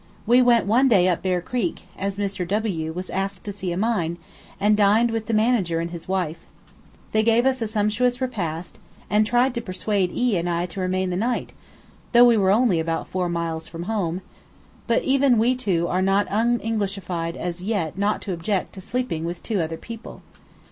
We went one day up Bear Creek, as Mr. W was asked to see a mine, and dined with the manager and his wife. They gave us a sumptuous repast, and tried to persuade E and I to remain the night, though we were only about four miles from home; but even we two are not enough un Englishified as yet not to object to sleeping with two other people.